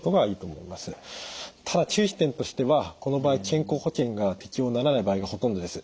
ただ注意点としてはこの場合健康保険が適用にならない場合がほとんどです。